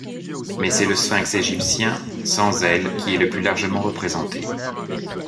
Mais c'est le sphinx égyptien, sans ailes, qui est le plus largement représenté.